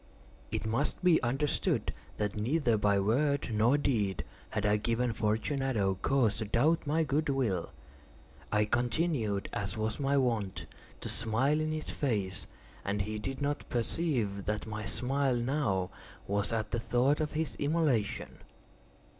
It must be understood, that neither by word nor deed had I given Fortunato cause to doubt my good will. I continued, as was my wont, to smile in his face, and he did not perceive that my smile now was at the thought of his immolation.